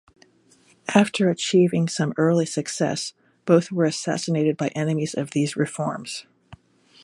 After achieving some early success, both were assassinated by enemies of these reforms.